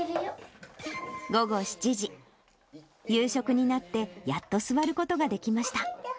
午後７時、夕食になって、やっと座ることができました。